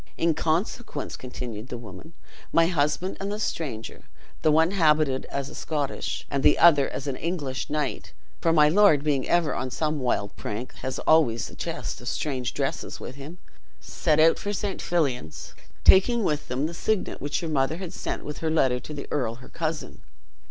"In consequence," continued the woman, "my husband and the stranger, the one habited as a Scottish and the other as an English knight (for my lord being ever on some wild prank, has always a chest of strange dresses with him), set out for St. Fillan's, taking with them the signet which your mother had sent with her letter to the earl her cousin.